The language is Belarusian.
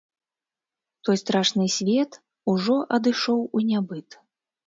Той страшны свет ужо адышоў у нябыт.